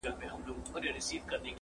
خپل ترمنځه له یو بل سره لوبېږي،